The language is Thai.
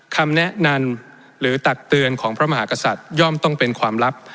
คำแนะนำหรือตักเตือนของพระมหากษัตริย่อมต้องเป็นความลับ